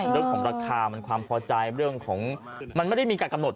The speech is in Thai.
เรื่องของราคามันความพอใจเรื่องของมันไม่ได้มีการกำหนด